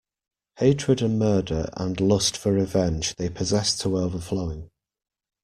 Hatred and murder and lust for revenge they possessed to overflowing.